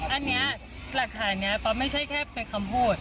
อันนี้หลักฐานนี้ป๊อปไม่ใช่แค่เป็นคำพูด